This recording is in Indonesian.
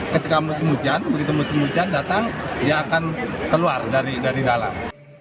ketika musim hujan begitu musim hujan datang dia akan keluar dari dalam